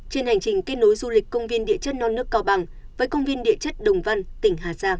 trên hành trình kết nối du lịch công viên địa chất non nước cao bằng với công viên địa chất đồng văn tỉnh hà giang